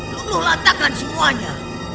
tuluh latakan semuanya